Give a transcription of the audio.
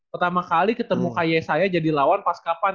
pertama kali ketemu kayak saya jadi lawan pas kapan